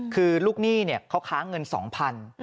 คือลูกหนี้เนี่ยเค้าข้าเงิน๒๐๐๐บาท